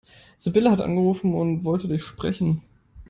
Sibylle hat angerufen und wollte dich sprechen.